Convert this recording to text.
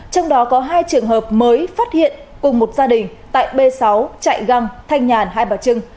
trong đó có hai trường hợp mới phát hiện cùng một gia đình tại b sáu chạy găng thanh nhàn hai bà trưng